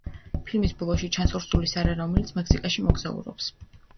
ფილმის ბოლოში ჩანს ორსული სარა რომელიც მექსიკაში მოგზაურობს.